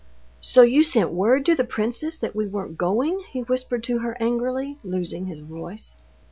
"So you sent word to the princess that we weren't going!" he whispered to her angrily, losing his voice.